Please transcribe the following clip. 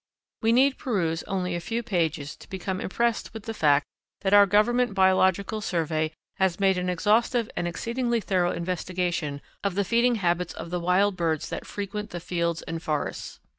We need peruse only a few pages to become impressed with the fact that our Government Biological Survey has made an exhaustive and exceedingly thorough investigation of the feeding habits of the wild birds that frequent the fields and forests.